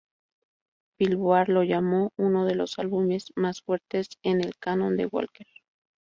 Billboard lo llamó "Uno de los álbumes más fuertes en el canon de Walker...